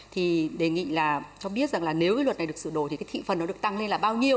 thì đề nghị là cho biết rằng là nếu cái luật này được sửa đổi thì cái thị phần nó được tăng lên là bao nhiêu